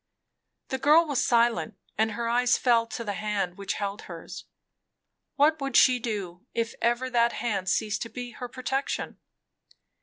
The girl was silent, and her eyes fell to the hand which held hers. What would she do, if ever that hand ceased to be her protection?